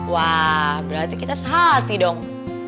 wah berarti kita sehati dong